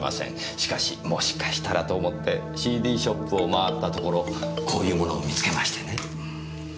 しかしもしかしたらと思ってＣＤショップを回ったところこういうものを見つけましてね。